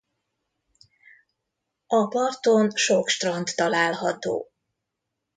A parton sok strand található.